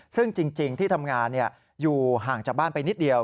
ซึ่งจริงที่ทำงานอยู่ห่างจากบ้านไปนิดเดียว